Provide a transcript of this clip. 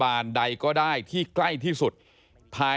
พบหน้าลูกแบบเป็นร่างไร้วิญญาณ